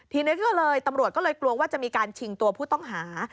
ทีนี้ก็เลยตำรวจก็เลยกลัวว่าจะมีการชิงตัวผู้ต้องหา